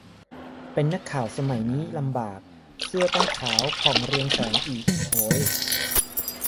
เป็นนักข่าวสมัยนี้ลำบาก เสื้อต้องขาวผ่องเรืองแสงอีก โหย